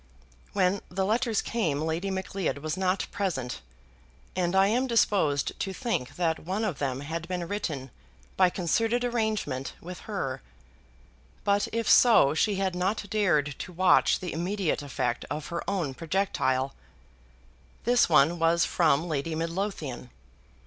When the letters came Lady Macleod was not present, and I am disposed to think that one of them had been written by concerted arrangement with her. But if so she had not dared to watch the immediate effect of her own projectile. This one was from Lady Midlothian.